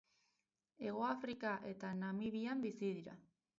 Hegoafrika eta Namibian bizi dira.